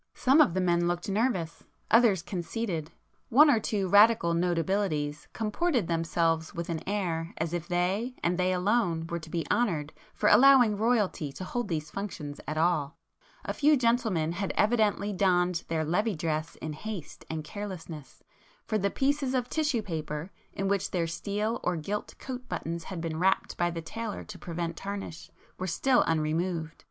Some of the men looked nervous,—others conceited; one or two Radical notabilities comported themselves with an air as if they and they alone were to be honoured for allowing Royalty to hold these functions at all; a few gentlemen had evidently donned their Levée dress in haste and carelessness, for the pieces of tissue paper in which their steel or gilt coat buttons had been wrapped by the tailor to prevent tarnish, were still unremoved.